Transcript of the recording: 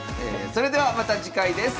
それではまた次回です。